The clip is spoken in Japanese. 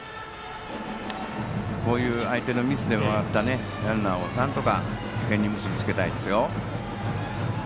こういう相手のミスでもらったランナーをなんとか点に結び付けたいですよ。